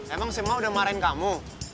emang si emak udah marahin kamu